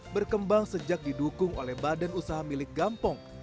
berkembang sejak didukung oleh badan usaha milik gampong